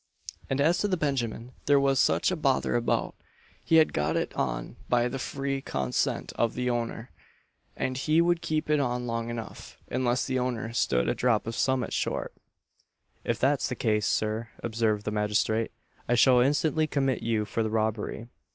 And as to the benjamin there was such a bother about, he had got it on by the free consent of the owner, and he would keep it on long enough, unless the owner stood a drop of summut short. "If that's the case, Sir," observed the magistrate, "I shall instantly commit you for the robbery."